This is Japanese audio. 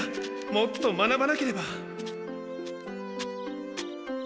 もっと学ばなければ。